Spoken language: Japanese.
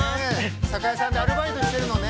酒屋さんでアルバイトしてるのね。